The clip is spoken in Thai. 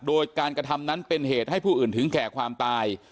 โดยการกระทำนั้นเป็นเหตุให้ผู้อื่นถึงแก่ความตาย